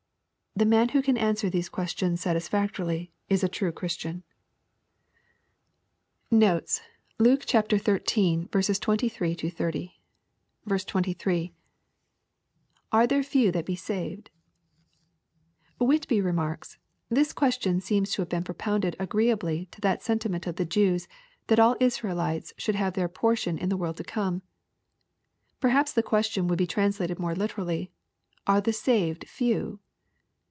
The man who can answer these questicns satisfactorily is a true Christian. liUKK, CHAP. Xlli. 135 NoTiis. Luke XIII. 23—30. 23. — [Are there few that he saved f] Whitby remarks, "This ques tion seems to have been propounded agreeably to that sentiment of the Jews, that all Israelites should have theii* portion in the world to come." — ^Perhaps the question would be translated more literally, Are the saved few